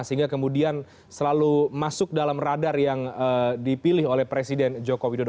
sehingga kemudian selalu masuk dalam radar yang dipilih oleh presiden joko widodo